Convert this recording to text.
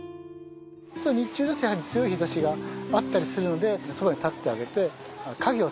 日中だとやはり強い日ざしあったりするのでそばに立ってあげて影を作ってあげる。